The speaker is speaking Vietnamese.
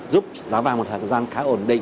giúp giá vàng một thời gian khá ổn định